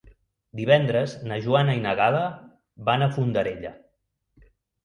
Divendres na Joana i na Gal·la van a Fondarella.